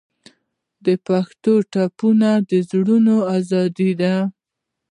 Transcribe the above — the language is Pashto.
د پښتو ټپې د زړونو اواز دی.